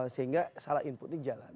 sehingga salah input ini jalan